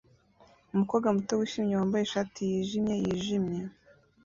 Umukobwa muto wishimye wambaye ishati yijimye yijimye